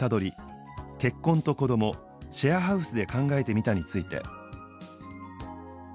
「“結婚”と“子ども”シェアハウスで考えてみた」について。